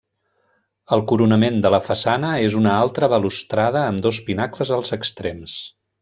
El coronament de la façana és una altra balustrada amb dos pinacles als extrems.